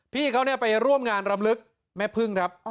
พี่เขาไปร่วมงานรำลึกแม่พึ่งครับ